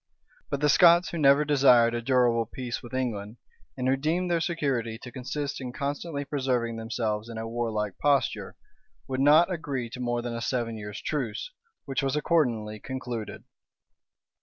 But the Scots, who never desired a durable peace with England, and who deemed their security to consist in constantly preserving themselves in a warlike posture, would not agree to more than a seven years' truce, which was accordingly concluded.[*] * Polyd.